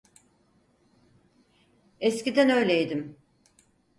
Eskiden öyleydim.